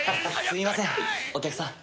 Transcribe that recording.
すいませんお客さん。